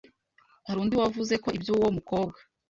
Hari undi wavuze ko ibyo uwo mukobwa